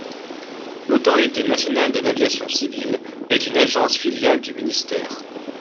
L'Autorité Nationale de l'Aviation Civile est une agence filiale du ministère.